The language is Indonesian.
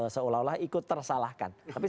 seolah olah ikut tersalahkan